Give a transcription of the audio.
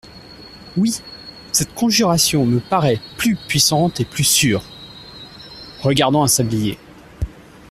Oui ! cette conjuration me parait plus puissante et plus sûre. — Regardant un sablier .